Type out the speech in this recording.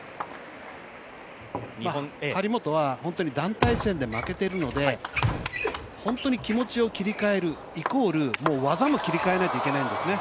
張本は、本当に団体戦で負けているので本当に気持ちを切り替えるイコール技も切り替えなきゃいけないんですね。